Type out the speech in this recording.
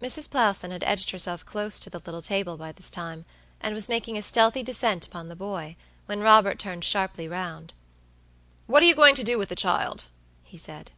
Mrs. Plowson had edged herself close to the little table by this time, and was making a stealthy descent upon the boy, when Robert turned sharply round. "What are you going to do with the child?" he said.